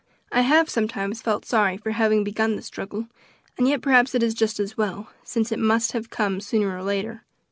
"I have sometimes felt sorry for having begun the struggle, and yet perhaps it is just as well, since it must have come sooner or later.